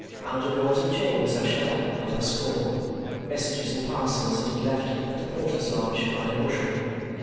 Outer doors of chambers are shut up by the score, messages and parcels are to be left at the Porter's Lodge by the bushel.